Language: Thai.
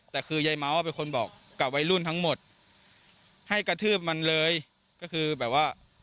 แต่คือยายเมาส์เป็นคนบอกกับวัยรุ่นทั้งหมดให้กระทืบมันเลยก็คือแบบว่า